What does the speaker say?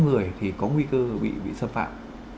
người thì có nguy cư bị xâm phạm